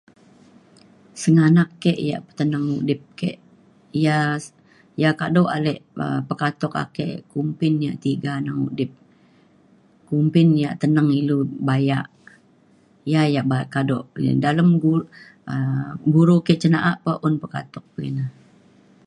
Sengganak ke ia’ peteneng udip ke ia’ s- ia’ kado ale um pekatuk ake kumbin ia’ tiga neng udip kumbin ia’ teneng ilu bayak. Ia’ yak ba- kado dalem gu- um guru ke cin na’a pun un pekatuk kuak ina.